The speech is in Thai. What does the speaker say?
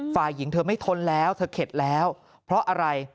ฝ่ายหญิงเธอไม่ทนแล้วเธอเข็ดแล้วเพราะอะไร